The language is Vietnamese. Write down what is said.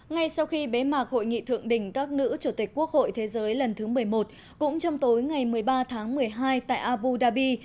ngay sau khi bế mạc hội nghị thượng đỉnh các nữ chủ tịch quốc hội thế giới lần thứ một mươi một cũng trong tối ngày một mươi ba tháng một mươi hai tại abu dhabi